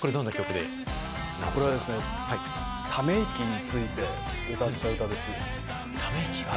これはため息について歌った歌です。